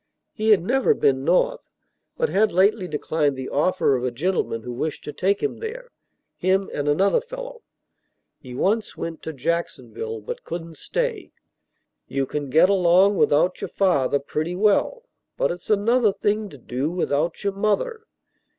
He had never been North, but had lately declined the offer of a gentleman who wished to take him there, him and "another fellow." He once went to Jacksonville, but couldn't stay. "You can get along without your father pretty well, but it's another thing to do without your mother."